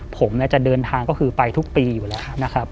ผมจะเดินทางก็คือไปทุกปีอยู่แล้วนะครับ